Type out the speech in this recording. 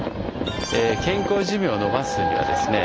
健康寿命を延ばすにはですね